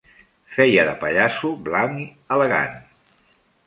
Feia de pallasso blanc elegant.